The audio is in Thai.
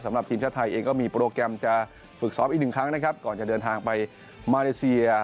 สำหรับทีมชาติไทยเองก็มีโปรแกรมจะฝึกซ้อมอีกหนึ่งครั้งนะครับก่อนจะเดินทางไปมาเลเซีย